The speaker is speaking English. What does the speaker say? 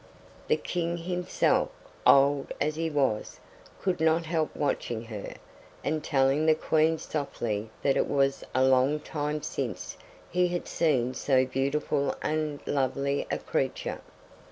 The King himself, old as he was, could not help watching her, and telling the Queen softly that it was a long time since he had seen so beautiful and lovely a creature.